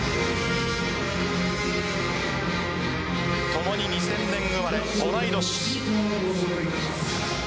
共に２０００年生まれ同い年。